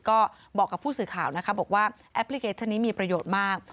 ก็บอกกับผู้สื่อข่าวนะคะบอกว่าแอปพลิเคชันนี้มีประโยชน์มาก